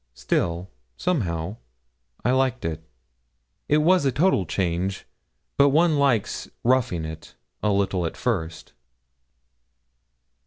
Still, somehow, I liked it. It was a total change; but one likes 'roughing it' a little at first.